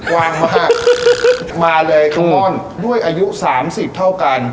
วางมาฮะมาเลยด้วยอายุ๓๐เท่ากัน